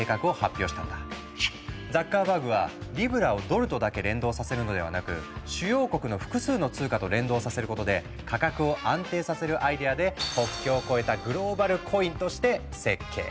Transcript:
ザッカーバーグはリブラをドルとだけ連動させるのではなく主要国の複数の通貨と連動させることで価格を安定させるアイデアで国境を越えた「グローバルコイン」として設計。